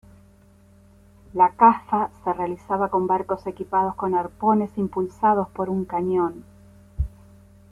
La caza se realizaba con barcos equipados con arpones impulsados por un cañón.